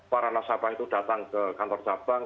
para nasabah itu datang ke kantor cabang